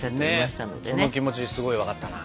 その気持ちすごい分かったな。